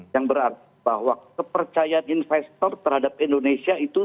yang berarti bahwa kepercayaan investor terhadap indonesia itu